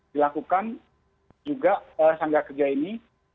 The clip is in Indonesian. dilakukan juga sanggar kerja ini